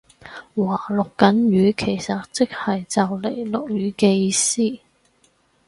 話落緊雨其實即係就嚟落雨嘅意思